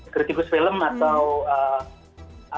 kritikus film atau apa namanya